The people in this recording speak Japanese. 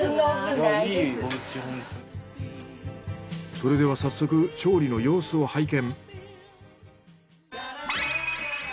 それでは早速調理の様子を拝見。